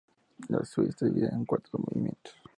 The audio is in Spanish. La suite está dividida en cuatro movimientos.